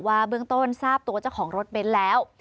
เบื้องต้นทราบตัวเจ้าของรถเบนท์แล้ว